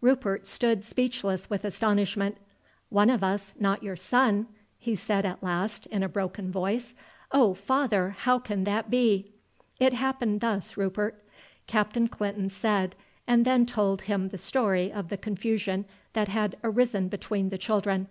Rupert stood speechless with astonishment. "One of us not your son!" he said at last in a broken voice. "Oh, father, how can that be?" "It happened thus, Rupert," Captain Clinton said, and then told him the story of the confusion that had arisen between the children.